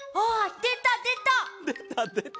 でたでた！